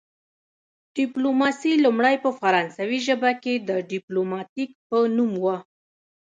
ډیپلوماسي لومړی په فرانسوي ژبه کې د ډیپلوماتیک په نوم وه